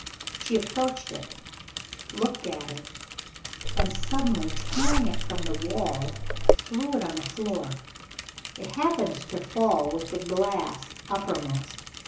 She approached it looked at it and, suddenly tearing it from the wall, threw it on the floor. It happened to fall with the glass uppermost.